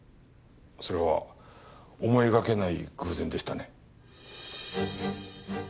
それは思いがけない偶然でしたね。